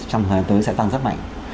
trong thời gian tới sẽ tăng rất mạnh